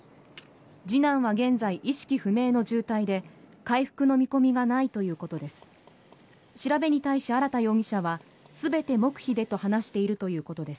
次男は現在、意識不明の重体で回復の見込みがないということです。